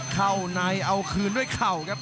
เข้าในเอาคืนด้วยเข่าครับ